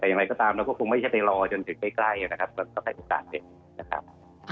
แต่อย่างไรก็ตามเราก็คงไม่ใช่ไปรอจนถึงใกล้นะครับ